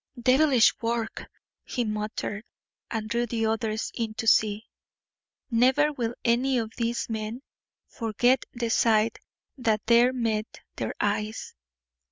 "Devilish work," he muttered, and drew the others in to see. Never will any of these men forget the sight that there met their eyes.